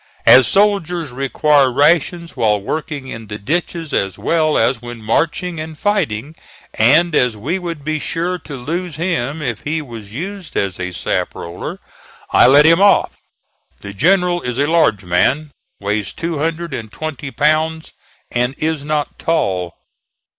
As soldiers require rations while working in the ditches as well as when marching and fighting, and as we would be sure to lose him if he was used as a sap roller, I let him off. The general is a large man; weighs two hundred and twenty pounds, and is not tall.